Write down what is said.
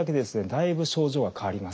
だいぶ症状は変わります。